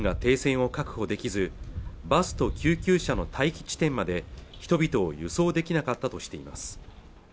ロシア軍が停戦を確保できずバスと救急車の待機地点まで人々を輸送できなかったとしています